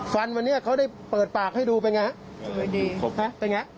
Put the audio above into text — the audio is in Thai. ฟันวันนี้เขาได้เปิดปากให้ดูแบบอย่างไร